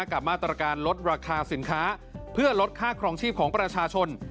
กับมาตรการลดราคาสินค้าเพื่อลดค่าครองชีพของประชาชน